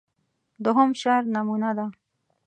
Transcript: دوهم شعر نمونه ده.